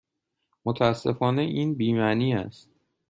متاسفانه این بی معنی است.